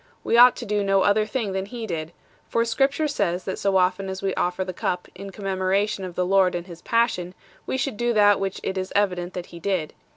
we ought to do no other thing than He did ; for Scripture says that so often as we offer the Cup in commemoration of the Lord and His Passion, we should do that which it is evident that He did."